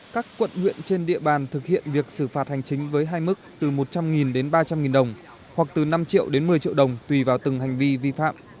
các quận huyện trên địa bàn thực hiện việc xử phạt hành chính với hai mức từ một trăm linh đến ba trăm linh đồng hoặc từ năm triệu đến một mươi triệu đồng tùy vào từng hành vi vi phạm